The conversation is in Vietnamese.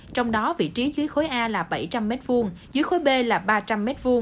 trong đó vị trí dưới khối a là bảy trăm linh m hai dưới khối b là ba trăm linh m hai